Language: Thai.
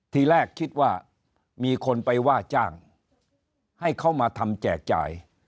ทีแรกคิดว่ามีคนไปว่าจ้างให้เขามาทำแจกจ่าย